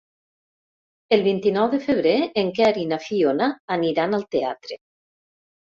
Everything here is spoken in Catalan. El vint-i-nou de febrer en Quer i na Fiona aniran al teatre.